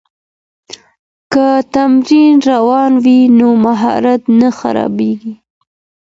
که تمرین روان وي نو مهارت نه خرابېږي.